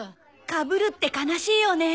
かぶるって悲しいよね。